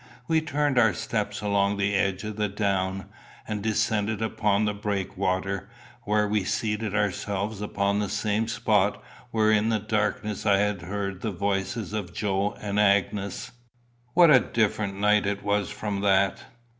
We turned our steps along the edge of the down, and descended upon the breakwater, where we seated ourselves upon the same spot where in the darkness I had heard the voices of Joe and Agnes. What a different night it was from that!